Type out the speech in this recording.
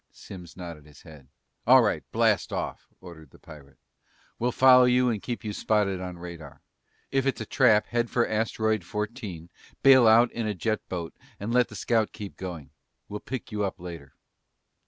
Simms nodded his head. "All right, blast off," ordered the pirate. "We'll follow you and keep you spotted on radar. If it's a trap, head for asteroid fourteen, bail out in a jet boat, and let the scout keep going. We'll pick you up later."